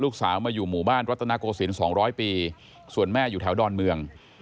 ลูกสาวมาอยู่หมู่บ้านรัตนโกศิลป์๒๐๐ปีส่วนแม่อยู่แถวดอนเมือง